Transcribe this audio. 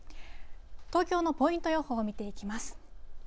東京のポイント予報を見ていきます。